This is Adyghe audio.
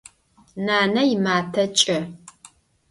Nane yimate ç'e.